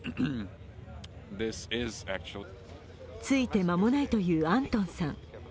着いて間もないというアントンさん。